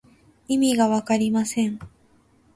意味がわかりません。